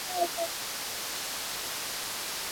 ইরানি নারীদের মধ্যে সাধারণ অসন্তোষ বাড়ছে।